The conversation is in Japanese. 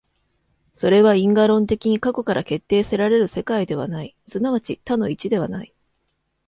それは因果論的に過去から決定せられる世界ではない、即ち多の一ではない。